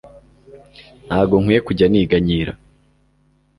ntago nkwiye kujya niganyira